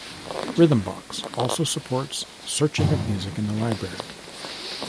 Rhythmbox also supports searching of music in the library.